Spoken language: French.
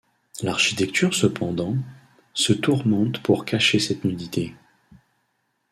L’architecture cependant se tourmente pour cacher cette nudité.